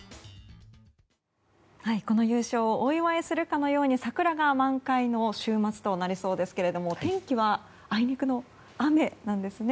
この優勝をお祝いするかのように桜が満開の週末となりそうですけれども天気はあいにくの雨なんですね。